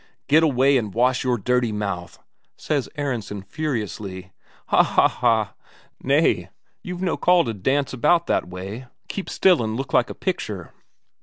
"Get away and wash your dirty mouth," says Aronsen furiously. "Ha ha ha! Nay, you've no call to dance about that way; keep still and look like a picture!"